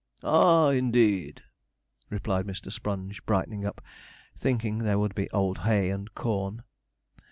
'Ah, indeed!' replied Mr. Sponge, brightening up, thinking there would be old hay and corn.